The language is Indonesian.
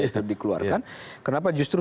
itu dikeluarkan kenapa justru